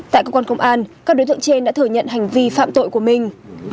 tại cơ quan công an các đối tượng trên đã thừa nhận hành vi phạm tội của mình